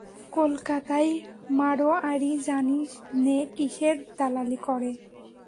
কলকাতায় মাড়োয়ারি জানি নে কিসের দালালি করে।